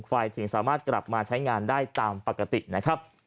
ถึงสามารถกลับมาใช้งานได้ตามปกตินะครับ